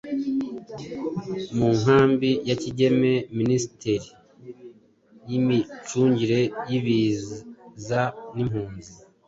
Mu nkambi ya Kigeme ministeri y’ imicungire y’ ibiza n’ impunzi